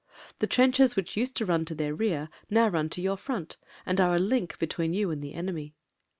The trenches which used to run to their rear now nm to your front and are a link between you and the enemy.